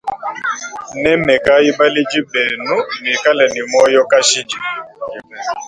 Nemekayi baledi benu nuikale ne moyo kashidi.